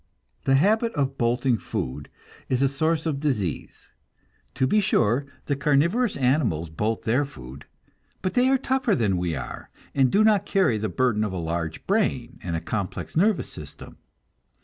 The habit of bolting food is a source of disease. To be sure, the carnivorous animals bolt their food, but they are tougher than we are, and do not carry the burden of a large brain and a complex nervous system.